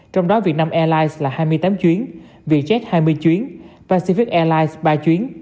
trong đó việt nam airlines là hai mươi tám chuyến vietjet hai mươi chuyến pacific airlines ba chuyến